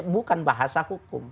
bukan bahasa hukum